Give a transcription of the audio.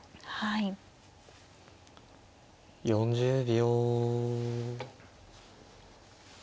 ４０秒。